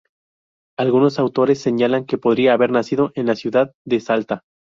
Algunos autores señalan que podría haber nacido en la ciudad de Salta.